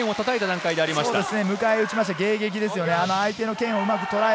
迎え撃ちました、迎撃です。